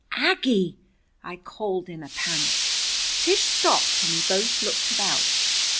"Aggie!" I called in a panic. Tish stopped, and we both looked about.